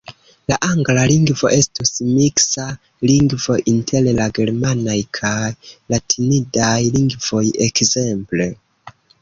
La angla lingvo estus miksa lingvo inter la germanaj kaj latinidaj lingvoj, ekzemple.